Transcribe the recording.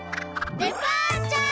デパーチャー！